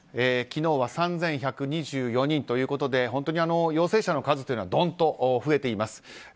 昨日は３１２４人ということで本当に陽性者の数がどんと増えています。